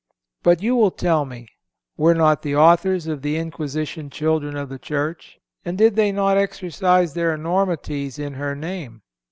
(317) But you will tell me: Were not the authors of the Inquisition children of the Church, and did they not exercise their enormities in her name?